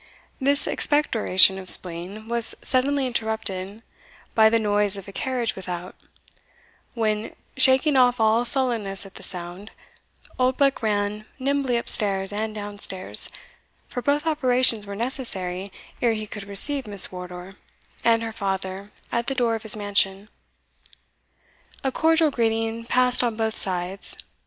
This expectoration of spleen was suddenly interrupted by the noise of a carriage without, when, shaking off all sullenness at the sound, Oldbuck ran nimbly up stairs and down stairs, for both operations were necessary ere he could receive Miss Wardour and her father at the door of his mansion. A cordial greeting passed on both sides.